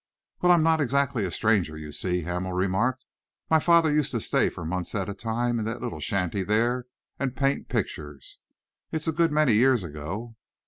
"Well, I am not exactly a stranger, you see," Hamel remarked. "My father used to stay for months at a time in that little shanty there and paint pictures. It's a good many years ago."